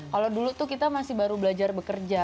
kalau dulu tuh kita masih baru belajar bekerja